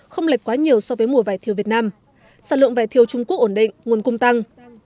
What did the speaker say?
không lệch quá nhiều so với mùa vải thiều việt nam sản lượng vải thiều trung quốc ổn định nguồn cung tăng